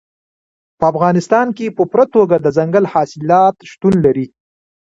په افغانستان کې په پوره توګه دځنګل حاصلات شتون لري.